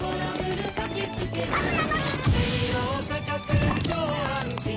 ガスなのに！